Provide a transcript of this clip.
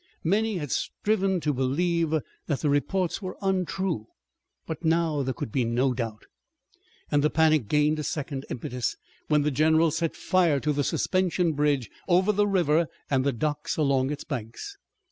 Many had striven to believe that the reports were untrue, but now there could be no doubt. And the panic gained a second impetus when the generals set fire to the suspension bridge over the river and the docks along its banks.